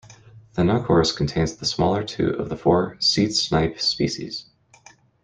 "Thinocorus" contains the smaller two of the four seedsnipe species.